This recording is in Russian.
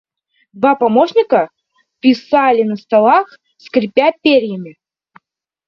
Два помощника писали на столах, скрипя перьями.